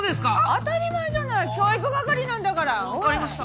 当たり前じゃない教育係なんだから。わかりました。